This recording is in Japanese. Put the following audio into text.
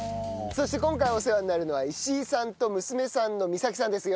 そして今回お世話になるのは石井さんと娘さんの美咲さんです。